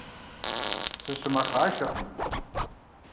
Сыщымэхъашэкъым.